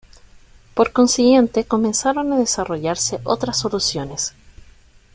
Por consiguiente, comenzaron a desarrollarse otras soluciones.